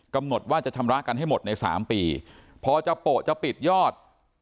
กำหนดว่าจะชำระกันให้หมดในสามปีพอจะโปะจะปิดยอด